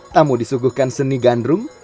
tamu disuguhkan seni gandrung